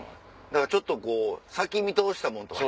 だからちょっとこう先見通したもんとか。